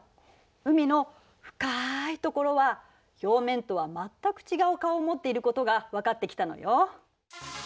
海の深いところは表面とは全く違う顔を持っていることが分かってきたのよ。